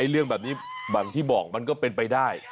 เรื่องแบบนี้อย่างที่บอกมันก็เป็นไปได้